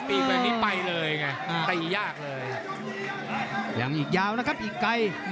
ปีกแบบนี้ไปเลยไงตียากเลยยังอีกยาวนะครับอีกไกล